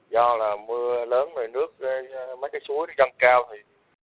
do là mưa lớn rồi nước mấy cái suối răng cao thì